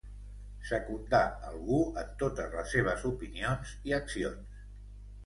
Secundar algú en totes les seves opinions i accions.